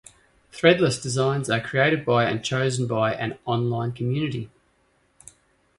Threadless designs are created by and chosen by an online community.